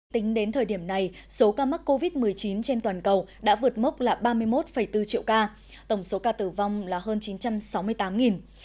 tính đến thời điểm này số ca mắc covid một mươi chín trên toàn cầu đã vượt mốc là ba mươi một bốn triệu ca tổng số ca tử vong là hơn chín trăm sáu mươi tám